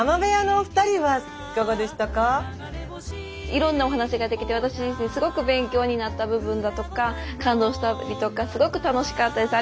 いろんなお話ができて私自身すごく勉強になった部分だとか感動したりとかすごく楽しかったです。